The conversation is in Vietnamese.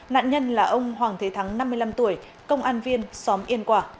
nạn nhân là ông hoàng thế thắng năm mươi năm tuổi công an viên xóm yên quả